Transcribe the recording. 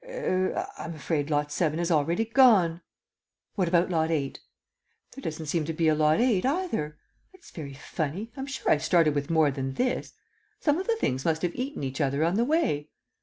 "Er I'm afraid Lot Seven has already gone." "What about Lot Eight?" "There doesn't seem to be a Lot Eight either. It's very funny; I'm sure I started with more than this. Some of the things must have eaten each other on the way."